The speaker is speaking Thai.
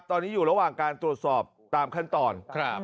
ตอนนี้อยู่ระหว่างการตรวจสอบตามขั้นตอน